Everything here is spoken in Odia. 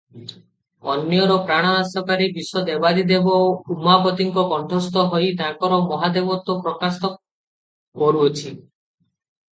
ଅନ୍ୟର ପ୍ରାଣନାଶକାରି ବିଷ ଦେବାଧିଦେବ ଉମାପତିଙ୍କ କଣ୍ଠସ୍ଥ ହୋଇ ତାଙ୍କର ମହାଦେବତ୍ୱ ପ୍ରକାଶ କରୁଅଛି ।